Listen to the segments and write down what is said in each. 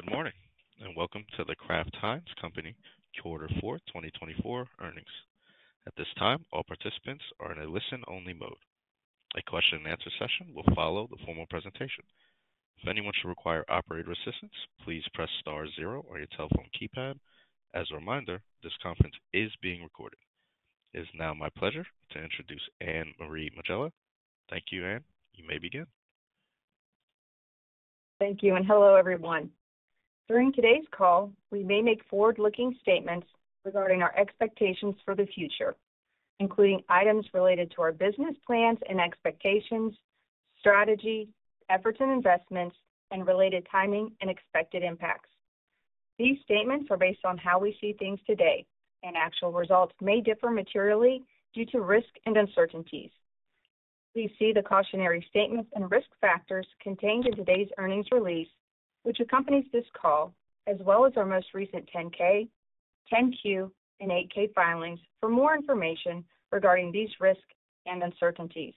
Good morning and welcome to The Kraft Heinz Company Quarter 4, 2024 earnings. At this time, all participants are in a listen-only mode. A question-and-answer session will follow the formal presentation. If anyone should require operator assistance, please press star zero on your telephone keypad. As a reminder, this conference is being recorded. It is now my pleasure to introduce Anne-Marie Megela. Thank you, Anne. You may begin. Thank you, and hello everyone. During today's call, we may make forward-looking statements regarding our expectations for the future, including items related to our business plans and expectations, strategy, efforts and investments, and related timing and expected impacts. These statements are based on how we see things today, and actual results may differ materially due to risks and uncertainties. Please see the cautionary statements and risk factors contained in today's earnings release, which accompanies this call, as well as our most recent 10-K, 10-Q, and 8-K filings for more information regarding these risks and uncertainties.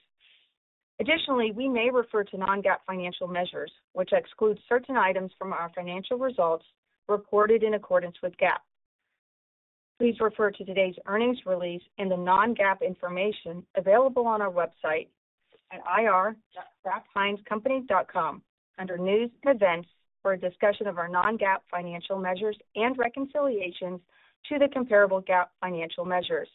Additionally, we may refer to non-GAAP financial measures, which exclude certain items from our financial results reported in accordance with GAAP. Please refer to today's earnings release and the non-GAAP information available on our website at ir.kraftheinzcompany.com under News and Events for a discussion of our non-GAAP financial measures and reconciliations to the comparable GAAP financial measures.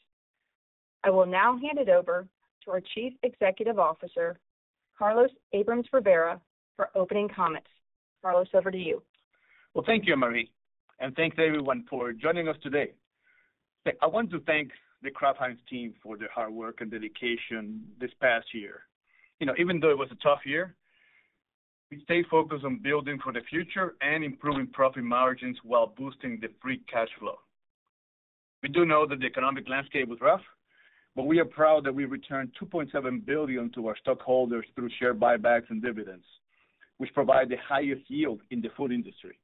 I will now hand it over to our Chief Executive Officer, Carlos Abrams-Rivera, for opening comments. Carlos, over to you. Thank you, Marie, and thanks everyone for joining us today. I want to thank the Kraft Heinz team for their hard work and dedication this past year. Even though it was a tough year, we stayed focused on building for the future and improving profit margins while boosting the free cash flow. We do know that the economic landscape was rough, but we are proud that we returned $2.7 billion to our stockholders through share buybacks and dividends, which provide the highest yield in the food industry.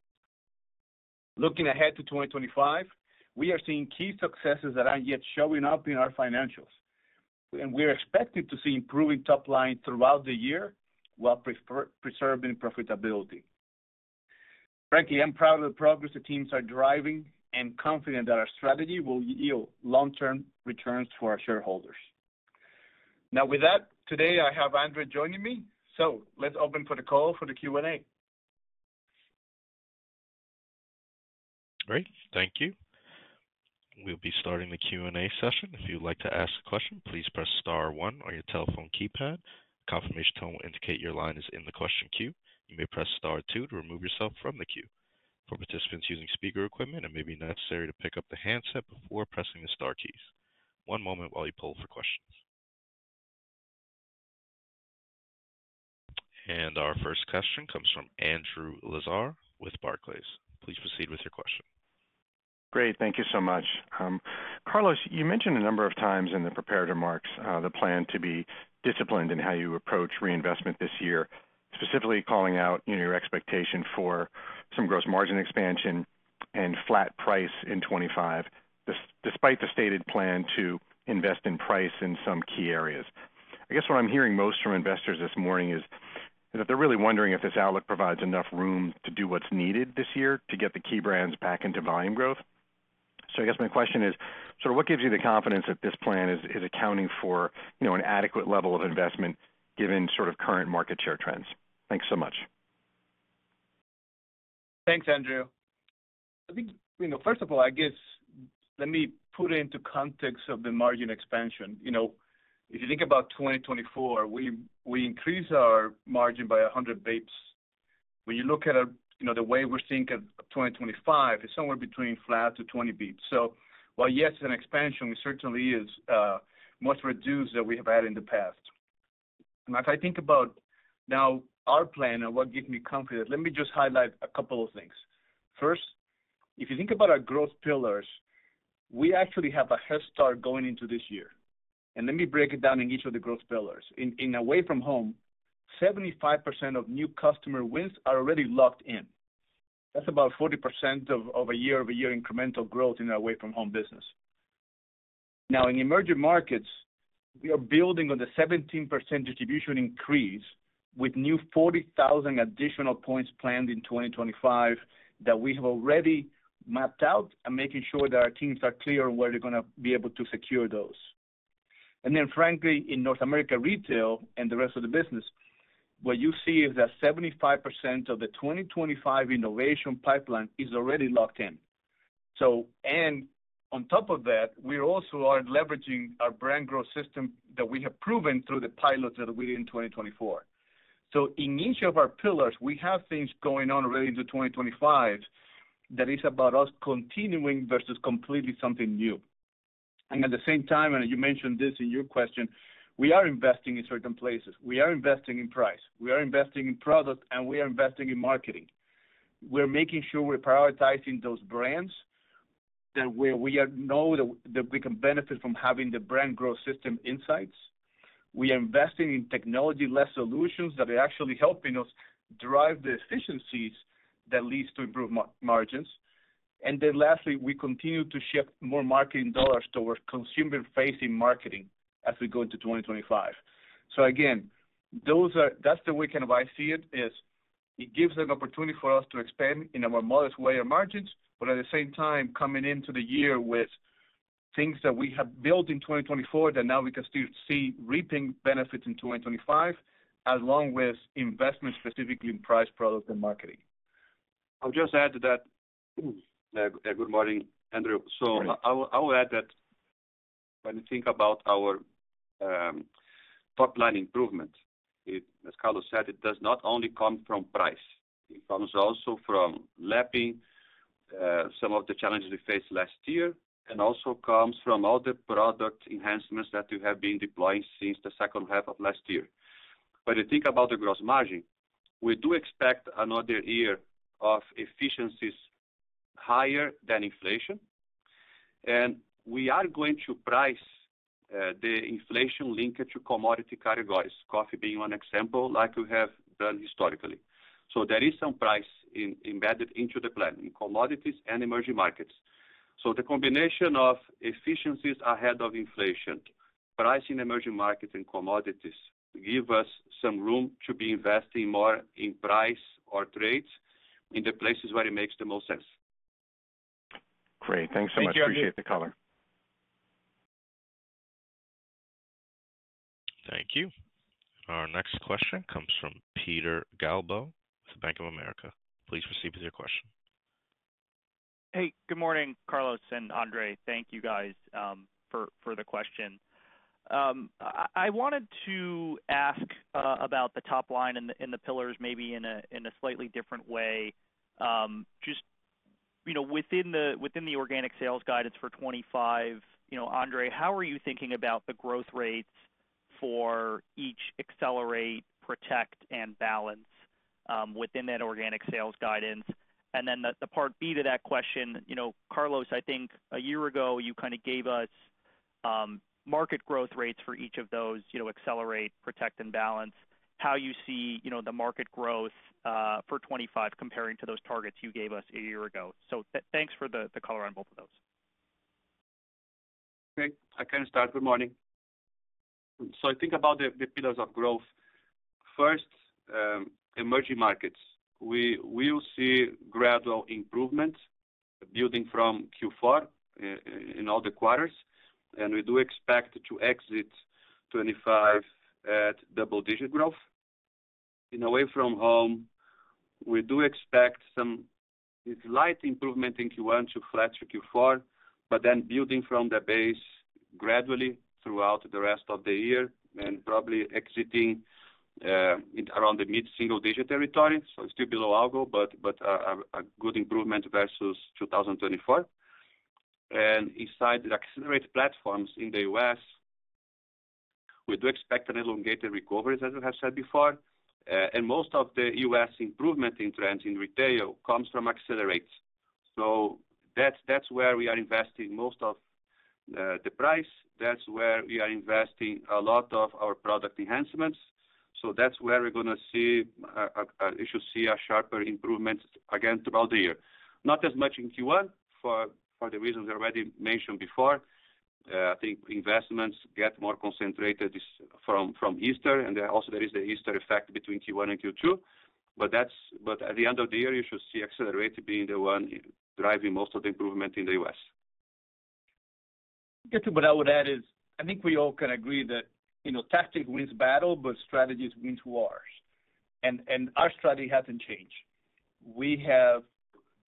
Looking ahead to 2025, we are seeing key successes that aren't yet showing up in our financials, and we are expected to see improving top lines throughout the year while preserving profitability. Frankly, I'm proud of the progress the teams are driving and confident that our strategy will yield long-term returns for our shareholders. Now, with that, today I have Andre joining me, so let's open for the call for the Q&A. Great. Thank you. We'll be starting the Q&A session. If you'd like to ask a question, please press star one on your telephone keypad. Confirmation tone will indicate your line is in the question queue. You may press star two to remove yourself from the queue. For participants using speaker equipment, it may be necessary to pick up the handset before pressing the star keys. One moment while we poll for questions. And our first question comes from Andrew Lazar with Barclays. Please proceed with your question. Great. Thank you so much. Carlos, you mentioned a number of times in the prepared remarks the plan to be disciplined in how you approach reinvestment this year, specifically calling out your expectation for some gross margin expansion and flat price in 2025, despite the stated plan to invest in price in some key areas. I guess what I'm hearing most from investors this morning is that they're really wondering if this outlook provides enough room to do what's needed this year to get the key brands back into volume growth. So I guess my question is, what gives you the confidence that this plan is accounting for an adequate level of investment given current market share trends? Thanks so much. Thanks, Andrew. I think, first of all, I guess let me put it into context of the margin expansion. If you think about 2024, we increased our margin by 100 basis points. When you look at the way we're thinking of 2025, it's somewhere between flat to 20 basis points. So while yes, it's an expansion, it certainly is much reduced than we have had in the past. Now, if I think about now our plan and what gives me confidence, let me just highlight a couple of things. First, if you think about our growth pillars, we actually have a head start going into this year. And let me break it down in each of the growth pillars. In Away-From-Home, 75% of new customer wins are already locked in. That's about 40% of a year-over-year incremental growth in our Away-From-Home business. Now, in Emerging Markets, we are building on the 17% distribution increase with new 40,000 additional points planned in 2025 that we have already mapped out and making sure that our teams are clear on where they're going to be able to secure those. And then, frankly, in North America retail and the rest of the business, what you see is that 75% of the 2025 innovation pipeline is already locked in. And on top of that, we also are leveraging our Brand Growth System that we have proven through the pilots that we did in 2024. So in each of our pillars, we have things going on already into 2025 that is about us continuing versus completely something new. And at the same time, and you mentioned this in your question, we are investing in certain places. We are investing in price. We are investing in product, and we are investing in marketing. We're making sure we're prioritizing those brands that we know that we can benefit from having the brand growth system insights. We are investing in technology-led solutions that are actually helping us drive the efficiencies that lead to improved margins. And then lastly, we continue to shift more marketing dollars towards consumer-facing marketing as we go into 2025. So again, that's the way kind of I see it is it gives an opportunity for us to expand in a more modest way our margins, but at the same time, coming into the year with things that we have built in 2024 that now we can still see reaping benefits in 2025, along with investment specifically in price, product, and marketing. I'll just add to that. Good morning, Andrew. So I'll add that when you think about our top line improvement, as Carlos said, it does not only come from price. It comes also from lapping some of the challenges we faced last year and also comes from all the product enhancements that we have been deploying since the second half of last year. When you think about the gross margin, we do expect another year of efficiencies higher than inflation. And we are going to price the inflation linked to commodity categories, coffee being one example, like we have done historically. So there is some price embedded into the plan in commodities and emerging markets. So the combination of efficiencies ahead of inflation, price in emerging markets and commodities give us some room to be investing more in price or trades in the places where it makes the most sense. Great. Thanks so much. Appreciate the color. Thank you. Our next question comes from Peter Galbo with Bank of America. Please proceed with your question. Hey, good morning, Carlos and Andre. Thank you guys for the question. I wanted to ask about the top line and the pillars maybe in a slightly different way. Just within the organic sales guidance for 2025, Andre, how are you thinking about the growth rates for each Accelerate, Protect, and Balance within that organic sales guidance? And then the part B to that question, Carlos, I think a year ago you kind of gave us market growth rates for each of those Accelerate, Protect, and Balance. How you see the market growth for 2025 comparing to those targets you gave us a year ago? So thanks for the color on both of those. Okay. I can start. Good morning, so I think about the pillars of growth. First, emerging markets. We will see gradual improvement building from Q4 in all the quarters, and we do expect to exit 2025 at double-digit growth. In Away From Home, we do expect some slight improvement in Q1 to flat to Q4, but then building from the base gradually throughout the rest of the year and probably exiting around the mid-single-digit territory, so it's still below algo, but a good improvement versus 2024. And inside the Accelerate platforms in the U.S., we do expect an elongated recovery, as we have said before, and most of the U.S. improvement in trends in retail comes from Accelerate, so that's where we are investing most of the price. That's where we are investing a lot of our product enhancements. So that's where we're going to see a sharper improvement again throughout the year. Not as much in Q1 for the reasons I already mentioned before. I think investments get more concentrated from Easter, and also there is the Easter effect between Q1 and Q2. But at the end of the year, you should see Accelerate being the one driving most of the improvement in the U.S. What I would add is I think we all can agree that tactics wins battle, but strategies wins wars. And our strategy hasn't changed. We have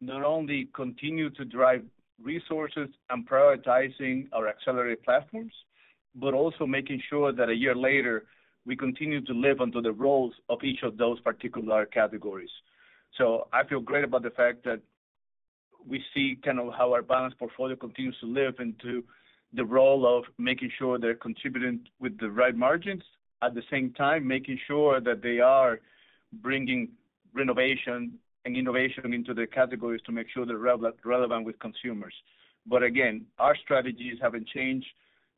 not only continued to drive resources and prioritizing our Accelerate Platforms, but also making sure that a year later we continue to live under the roles of each of those particular categories. So I feel great about the fact that we see kind of how our Balance portfolio continues to live into the role of making sure they're contributing with the right margins, at the same time making sure that they are bringing renovation and innovation into the categories to make sure they're relevant with consumers. But again, our strategies haven't changed,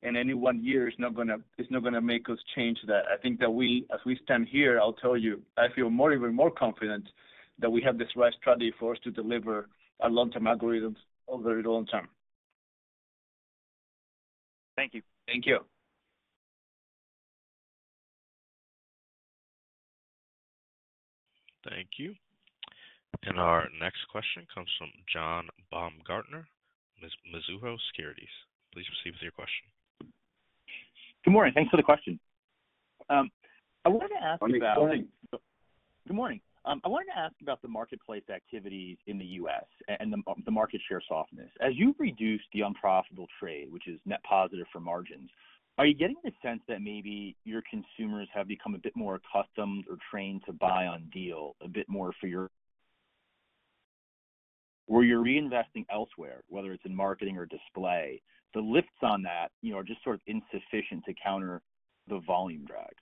and any one year is not going to make us change that. I think that as we stand here, I'll tell you, I feel even more confident that we have this right strategy for us to deliver our long-term algorithms over the long term. Thank you. Thank you. Thank you. And our next question comes from John Baumgartner, Mizuho Securities. Please proceed with your question. Good morning. Thanks for the question. I wanted to ask about. Good morning. Good morning. I wanted to ask about the marketplace activities in the U.S. and the market share softness. As you've reduced the unprofitable trade, which is net positive for margins, are you getting the sense that maybe your consumers have become a bit more accustomed or trained to buy on deal a bit more for your or you're reinvesting elsewhere, whether it's in marketing or display, the lifts on that are just sort of insufficient to counter the volume drag?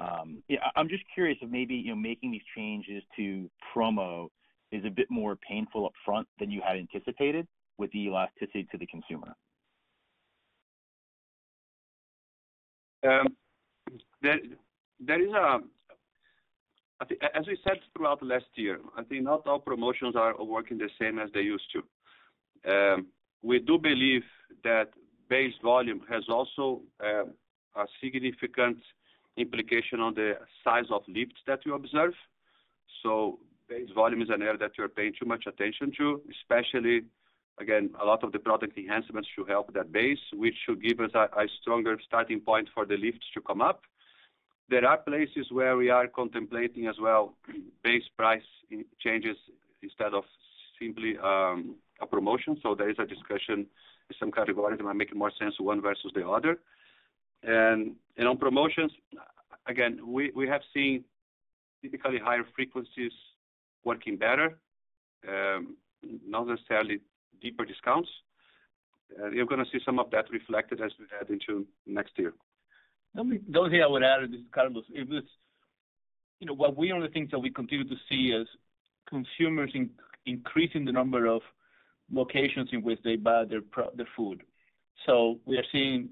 I'm just curious if maybe making these changes to promo is a bit more painful upfront than you had anticipated with the elasticity to the consumer? As we said throughout last year, I think not all promotions are working the same as they used to. We do believe that base volume has also a significant implication on the size of lifts that we observe. So base volume is an area that we're paying too much attention to, especially, again, a lot of the product enhancements should help that base, which should give us a stronger starting point for the lifts to come up. There are places where we are contemplating as well base price changes instead of simply a promotion. So there is a discussion in some categories that might make more sense one versus the other. And on promotions, again, we have seen typically higher frequencies working better, not necessarily deeper discounts. You're going to see some of that reflected as we head into next year. The only thing I would add is, Carlos, what we only think that we continue to see is consumers increasing the number of locations in which they buy their food. So we are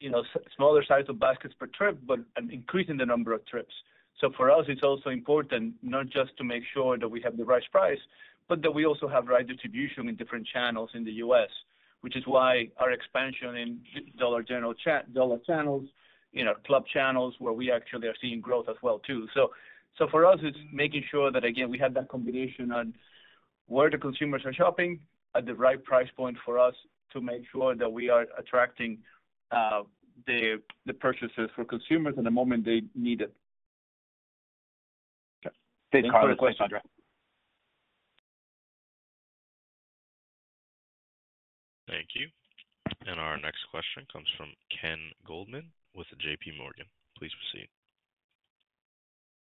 seeing smaller size of baskets per trip, but increasing the number of trips. So for us, it's also important not just to make sure that we have the right price, but that we also have right distribution in different channels in the U.S., which is why our expansion in dollar channels, in our club channels, where we actually are seeing growth as well too. So for us, it's making sure that, again, we have that combination on where the consumers are shopping at the right price point for us to make sure that we are attracting the purchases for consumers at the moment they need it. Thank you. Thank you. And our next question comes from Ken Goldman with J.P. Morgan. Please proceed.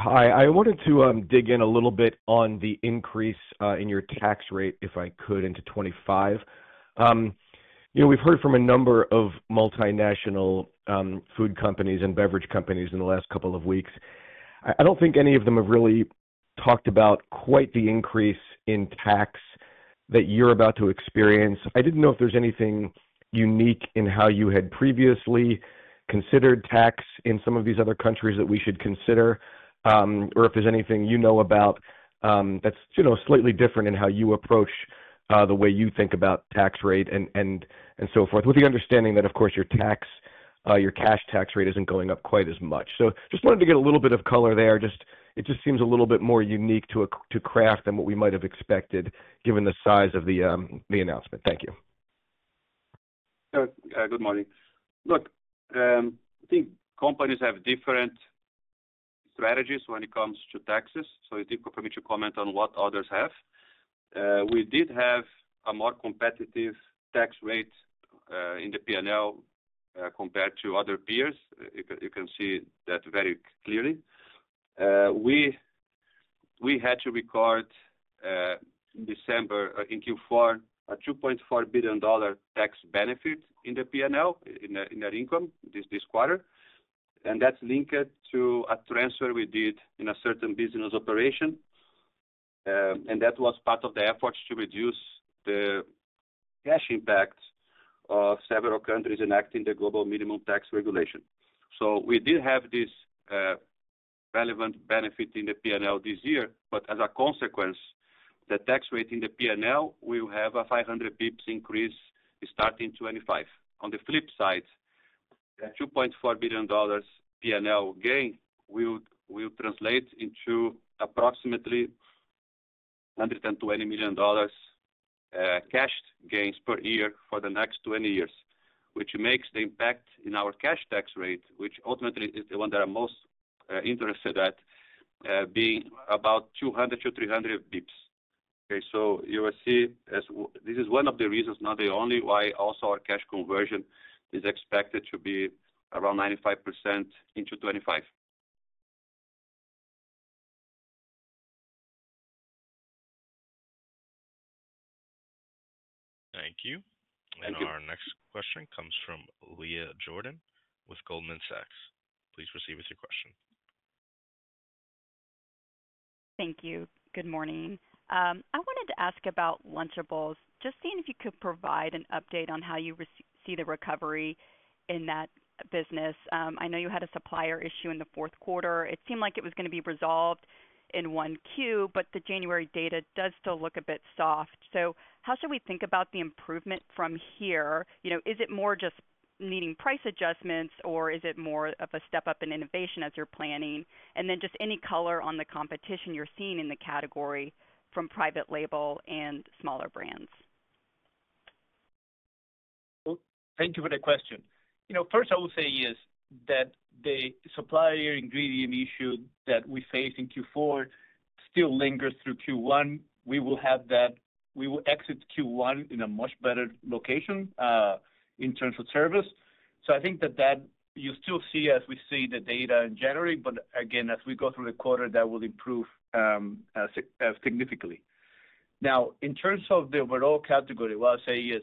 Hi. I wanted to dig in a little bit on the increase in your tax rate, if I could, into 2025. We've heard from a number of multinational food companies and beverage companies in the last couple of weeks. I don't think any of them have really talked about quite the increase in tax that you're about to experience. I didn't know if there's anything unique in how you had previously considered tax in some of these other countries that we should consider, or if there's anything you know about that's slightly different in how you approach the way you think about tax rate and so forth, with the understanding that, of course, your cash tax rate isn't going up quite as much. So just wanted to get a little bit of color there. It just seems a little bit more unique to Kraft than what we might have expected given the size of the announcement. Thank you. Good morning. Look, I think companies have different strategies when it comes to taxes. So it's difficult for me to comment on what others have. We did have a more competitive tax rate in the P&L compared to other peers. You can see that very clearly. We had to record in December, in Q4, a $2.4 billion tax benefit in the P&L, in our income this quarter. And that's linked to a transfer we did in a certain business operation. And that was part of the efforts to reduce the cash impact of several countries enacting the global minimum tax regulation. So we did have this relevant benefit in the P&L this year, but as a consequence, the tax rate in the P&L will have a 500 basis points increase starting 2025. On the flip side, the $2.4 billion P&L gain will translate into approximately $120 million cash gains per year for the next 20 years, which makes the impact in our cash tax rate, which ultimately is the one that I'm most interested at, being about 200 to 300 basis points. Okay. So you will see this is one of the reasons, not the only, why also our cash conversion is expected to be around 95% into 2025. Thank you. And our next question comes from Leah Jordan with Goldman Sachs. Please proceed with your question. Thank you. Good morning. I wanted to ask about Lunchables, just seeing if you could provide an update on how you see the recovery in that business. I know you had a supplier issue in the fourth quarter. It seemed like it was going to be resolved in one Q, but the January data does still look a bit soft. So how should we think about the improvement from here? Is it more just needing price adjustments, or is it more of a step up in innovation as you're planning? And then just any color on the competition you're seeing in the category from private label and smaller brands. Thank you for the question. First, I will say is that the supplier ingredient issue that we faced in Q4 still lingers through Q1. We will have that. We will exit Q1 in a much better location in terms of service, so I think that you still see as we see the data in January, but again, as we go through the quarter, that will improve significantly. Now, in terms of the overall category, what I'll say is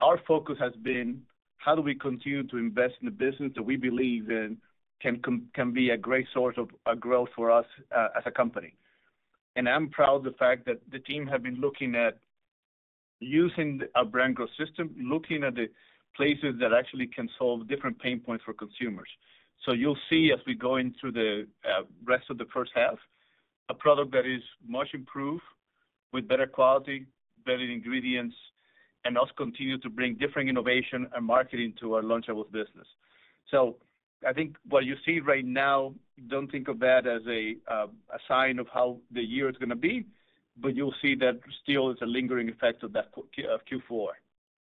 our focus has been how do we continue to invest in the business that we believe in can be a great source of growth for us as a company and I'm proud of the fact that the team has been looking at using our Brand Growth System, looking at the places that actually can solve different pain points for consumers. So you'll see as we go into the rest of the first half, a product that is much improved with better quality, better ingredients, and we continue to bring different innovation and marketing to our Lunchables business. So I think what you see right now, don't think of that as a sign of how the year is going to be, but you'll see that still it's a lingering effect of Q4.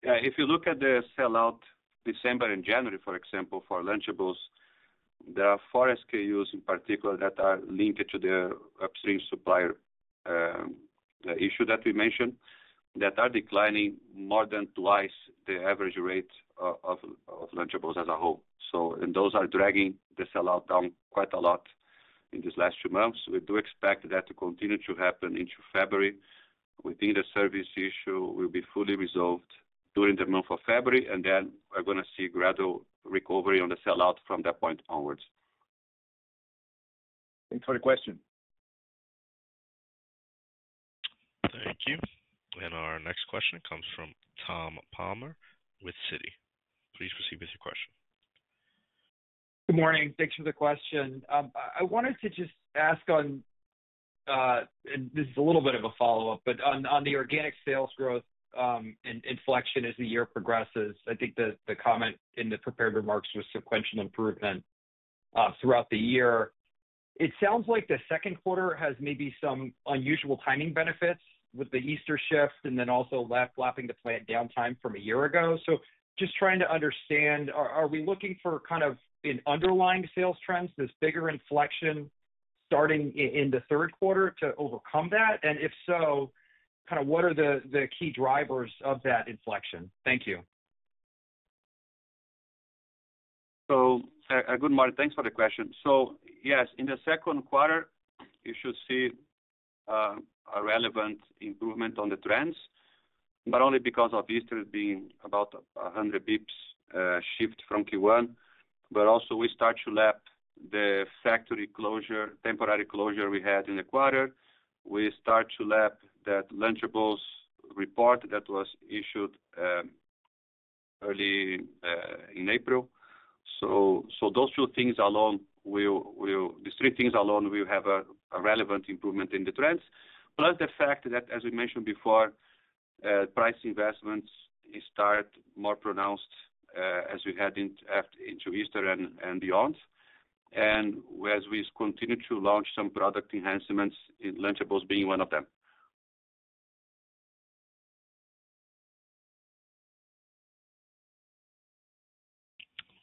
Yeah. If you look at the sellout December and January, for example, for Lunchables, there are four SKUs in particular that are linked to the upstream supplier issue that we mentioned that are declining more than twice the average rate of Lunchables as a whole. And those are dragging the sellout down quite a lot in these last few months. We do expect that to continue to happen into February. We think the service issue will be fully resolved during the month of February, and then we're going to see gradual recovery on the sellout from that point onwards. Thanks for the question. Thank you. And our next question comes from Tom Palmer with Citi. Please proceed with your question. Good morning. Thanks for the question. I wanted to just ask on, and this is a little bit of a follow-up, but on the organic sales growth inflection as the year progresses. I think the comment in the prepared remarks was sequential improvement throughout the year. It sounds like the second quarter has maybe some unusual timing benefits with the Easter shift and then also lapping the plant downtime from a year ago. So just trying to understand, are we looking for kind of an underlying sales trends, this bigger inflection starting in the third quarter to overcome that? And if so, kind of what are the key drivers of that inflection? Thank you. Good morning. Thanks for the question. Yes, in the second quarter, you should see a relevant improvement on the trends, not only because of Easter being about 100 basis points shift from Q1, but also we start to lap the factory closure, temporary closure we had in the quarter. We start to lap that Lunchables recall that was issued early in April. So those two things alone, these three things alone, will have a relevant improvement in the trends, plus the fact that, as we mentioned before, price investments start more pronounced as we head into Easter and beyond, and as we continue to launch some product enhancements, Lunchables being one of them.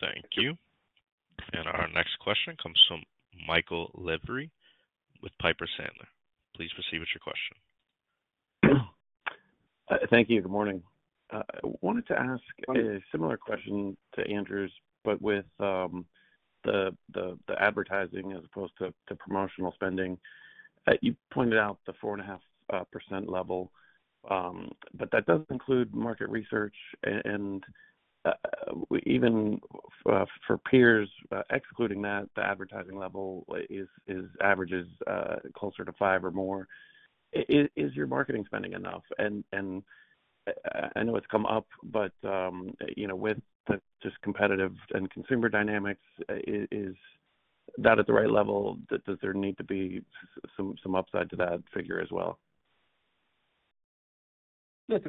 Thank you, and our next question comes from Michael Lavery with Piper Sandler. Please proceed with your question. Thank you. Good morning. I wanted to ask a similar question to Andrew's, but with the advertising as opposed to promotional spending. You pointed out the 4.5% level, but that doesn't include market research, and even for peers, excluding that, the advertising level averages closer to five or more. Is your marketing spending enough, and I know it's come up, but with just competitive and consumer dynamics, is that at the right level? Does there need to be some upside to that figure as well?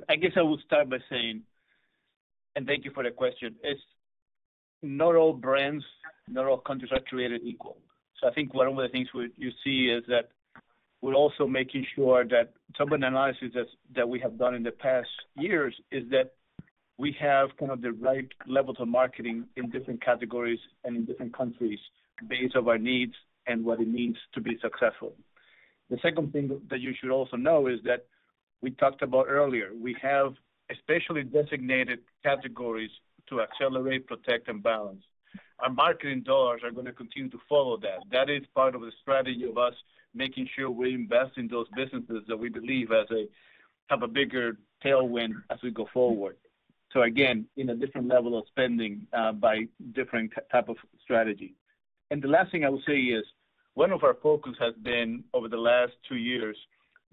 I guess I will start by saying, and thank you for the question, not all brands, not all countries are created equal. So I think one of the things you see is that we're also making sure that some of the analysis that we have done in the past years is that we have kind of the right levels of marketing in different categories and in different countries based on our needs and what it means to be successful. The second thing that you should also know is that we talked about earlier, we have especially designated categories to accelerate, protect, and balance. Our marketing dollars are going to continue to follow that. That is part of the strategy of us making sure we invest in those businesses that we believe have a bigger tailwind as we go forward. So, again, in a different level of spending by different type of strategy. And the last thing I will say is one of our focuses has been over the last two years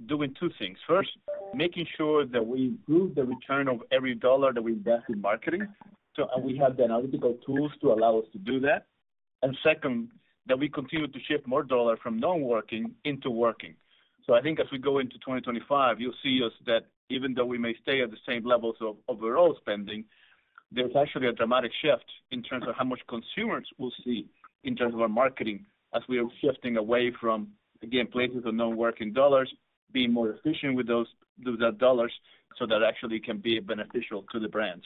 doing two things. First, making sure that we improve the return of every dollar that we invest in marketing. So we have the analytical tools to allow us to do that. And second, that we continue to shift more dollars from non-working into working. So I think as we go into 2025, you'll see us that even though we may stay at the same levels of overall spending, there's actually a dramatic shift in terms of how much consumers will see in terms of our marketing as we are shifting away from, again, places of non-working dollars, being more efficient with those dollars so that actually can be beneficial to the brands.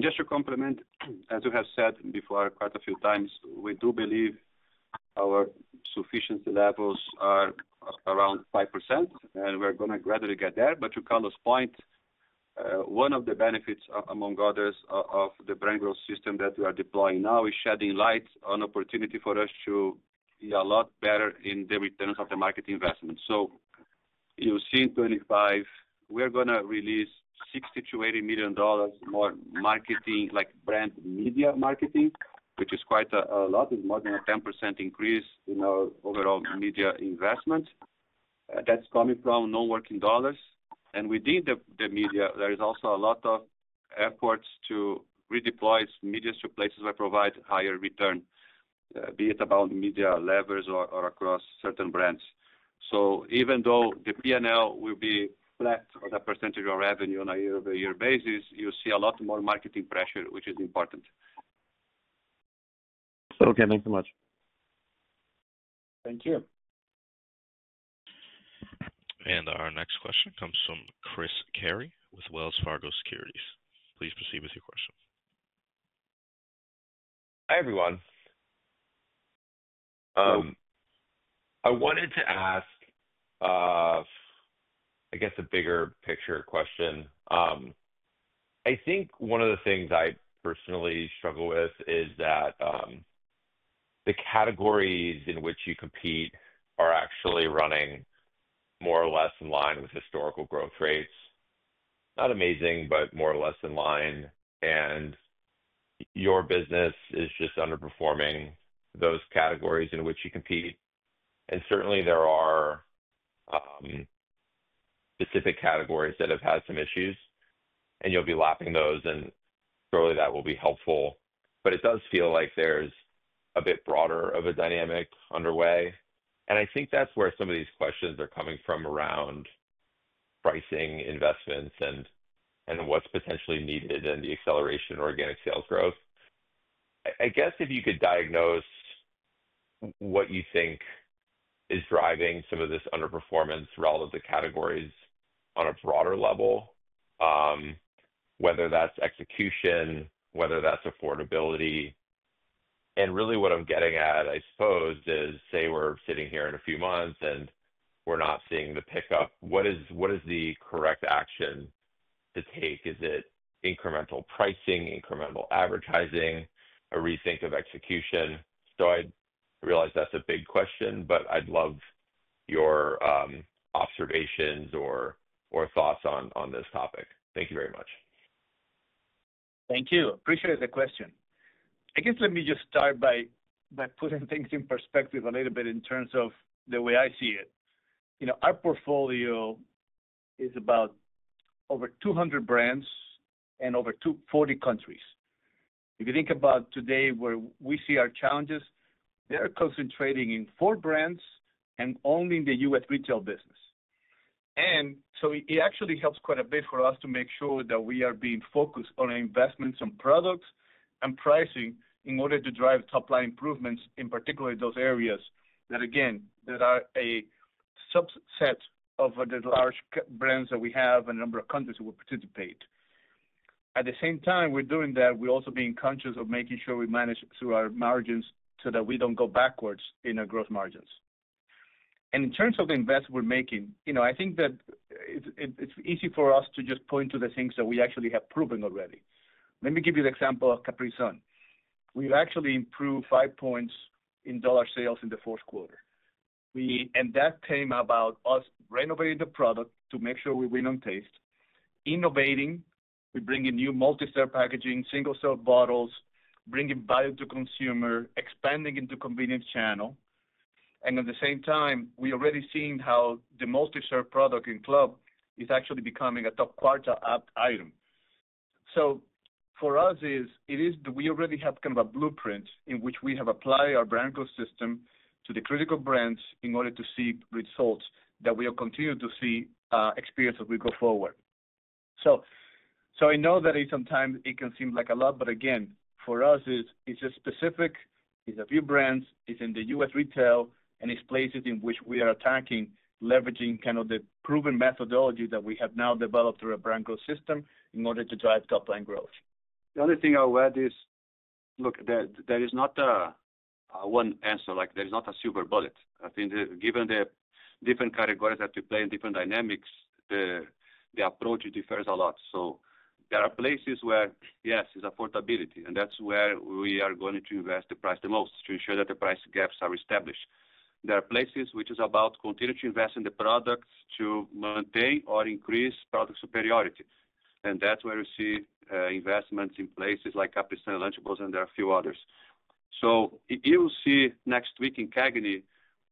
Just to complement, as we have said before quite a few times, we do believe our sufficiency levels are around 5%, and we're going to gradually get there. To Carlos's point, one of the benefits among others of the Brand Growth System that we are deploying now is shedding light on opportunity for us to be a lot better in the returns of the marketing investment. You'll see in 2025, we're going to release $60 million-$80 million more brand media marketing, which is quite a lot. It's more than a 10% increase in our overall media investment. That's coming from non-working dollars. Within the media, there is also a lot of efforts to redeploy media to places that provide higher return, be it about media levers or across certain brands. So even though the P&L will be flat on a % of revenue on a year-over-year basis, you'll see a lot more marketing pressure, which is important. Thanks so much. Thank you. Our next question comes from Chris Carey with Wells Fargo Securities. Please proceed with your question. Hi, everyone. I wanted to ask, I guess, a bigger picture question. I think one of the things I personally struggle with is that the categories in which you compete are actually running more or less in line with historical growth rates. Not amazing, but more or less in line. And your business is just underperforming those categories in which you compete. And certainly, there are specific categories that have had some issues, and you'll be lapping those, and surely that will be helpful. But it does feel like there's a bit broader of a dynamic underway. And I think that's where some of these questions are coming from around pricing, investments, and what's potentially needed in the acceleration of organic sales growth. I guess if you could diagnose what you think is driving some of this underperformance relative to categories on a broader level, whether that's execution, whether that's affordability, and really what I'm getting at, I suppose, is, say, we're sitting here in a few months and we're not seeing the pickup, what is the correct action to take? Is it incremental pricing, incremental advertising, a rethink of execution, so I realize that's a big question, but I'd love your observations or thoughts on this topic. Thank you very much. Thank you. Appreciate the question. I guess let me just start by putting things in perspective a little bit in terms of the way I see it. Our portfolio is about over 200 brands and over 40 countries. If you think about today where we see our challenges, they are concentrating in four brands and only in the U.S. retail business. And so it actually helps quite a bit for us to make sure that we are being focused on investments on products and pricing in order to drive top-line improvements in particular in those areas that, again, are a subset of the large brands that we have and a number of countries that will participate. At the same time we're doing that, we're also being conscious of making sure we manage through our margins so that we don't go backwards in our gross margins. And in terms of the investment we're making, I think that it's easy for us to just point to the things that we actually have proven already. Let me give you the example of Capri Sun. We've actually improved five points in dollar sales in the fourth quarter. And that came about us renovating the product to make sure we win on taste. Innovating, we're bringing new multi-serve packaging, single-serve bottles, bringing value to consumer, expanding into convenience channel. And at the same time, we're already seeing how the multi-serve product in club is actually becoming a top quarter item. So for us, it is that we already have kind of a blueprint in which we have applied our brand growth system to the critical brands in order to see results that we will continue to see experience as we go forward. So I know that sometimes it can seem like a lot, but again, for us, it's a specific, it's a few brands, it's in the U.S. retail, and it's places in which we are attacking, leveraging kind of the proven methodology that we have now developed through our Brand Growth System in order to drive top-line growth. The only thing I'll add is, look, there is not one answer. There is not a silver bullet. I think given the different categories that we play in different dynamics, the approach differs a lot. So there are places where, yes, it's affordability, and that's where we are going to invest the price the most to ensure that the price gaps are established. There are places which is about continuing to invest in the products to maintain or increase product superiority. And that's where we see investments in places like Capri Sun and Lunchables, and there are a few others. So you will see next week in CAGNY,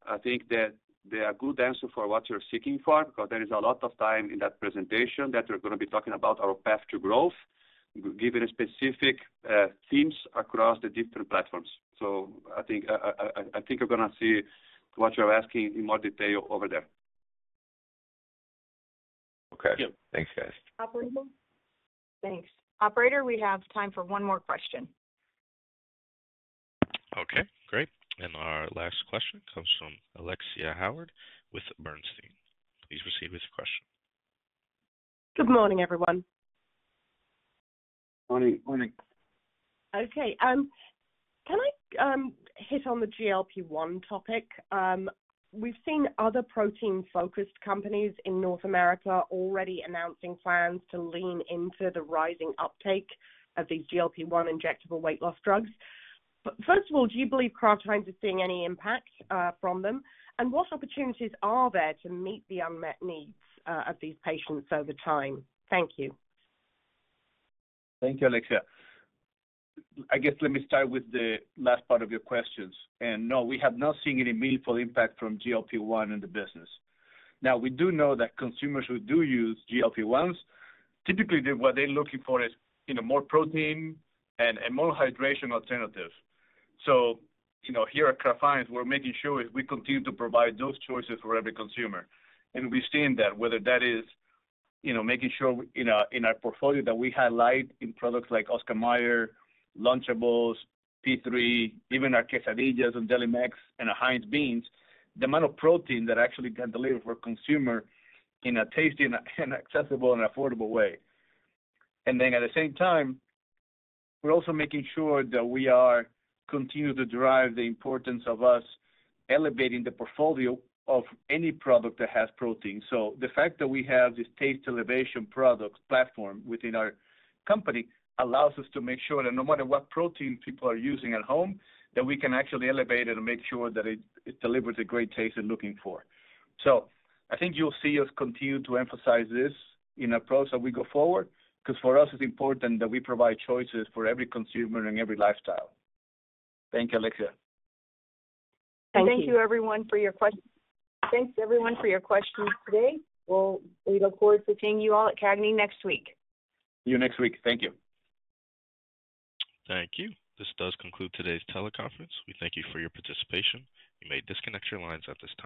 I think that there are good answers for what you're seeking for because there is a lot of time in that presentation that we're going to be talking about our path to growth, given specific themes across the different platforms. So I think you're going to see what you're asking in more detail over there. Okay. Thanks, guys. Thanks. Operator, we have time for one more question. Okay. Great. And our last question comes from Alexia Howard with Bernstein. Please proceed with your question. Good morning, everyone. Morning. Okay. Can I hit on the GLP-1 topic? We've seen other protein-focused companies in North America already announcing plans to lean into the rising uptake of these GLP-1 injectable weight loss drugs. But first of all, do you believe Kraft Heinz is seeing any impact from them? And what opportunities are there to meet the unmet needs of these patients over time? Thank you. Thank you, Alexia. I guess let me start with the last part of your questions, and no, we have not seen any meaningful impact from GLP-1 in the business. Now, we do know that consumers who do use GLP-1s, typically what they're looking for is more protein and more hydration alternatives, so here at Kraft Heinz, we're making sure we continue to provide those choices for every consumer, and we've seen that whether that is making sure in our portfolio that we highlight in products like Oscar Mayer, Lunchables, P3, even our quesadillas and Delimex and Heinz Beans, the amount of protein that actually can deliver for a consumer in a tasty and accessible and affordable way, and then at the same time, we're also making sure that we continue to drive the importance of us elevating the portfolio of any product that has protein. So the fact that we have this taste elevation product platform within our company allows us to make sure that no matter what protein people are using at home, that we can actually elevate it and make sure that it delivers the great taste they're looking for. So I think you'll see us continue to emphasize this in our process as we go forward because for us, it's important that we provide choices for every consumer and every lifestyle. Thank you, Alexia. Thank you, everyone, for your questions. Thanks, everyone, for your questions today. We look forward to seeing you all at CAGNY next week. See you next week. Thank you. Thank you. This does conclude today's teleconference. We thank you for your participation. You may disconnect your lines at this time.